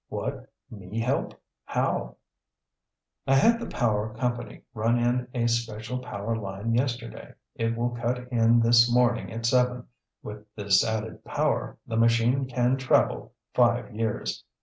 "What, me help? How?" "I had the power company run in a special power line yesterday. It will cut in this morning at seven. With this added power, the machine can travel five years.